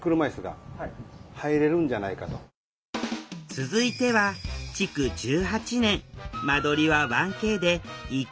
続いては築１８年間取りは１Ｋで１階の角部屋。